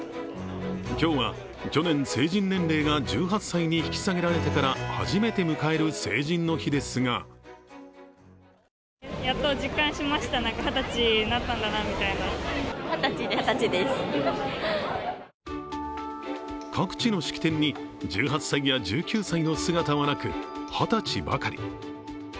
今日は去年、成人年齢が１８歳に引き下げられてから初めて迎える成人の日ですが各地の式典に１８歳や１９歳の姿はなく、二十歳ばかり。